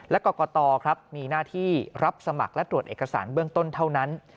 และกรกตครับมีหน้าที่รับสมัครและตรวจเอกสารเบื้องต้นเท่านั้น